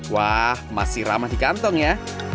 wah masih ramah di kantong ya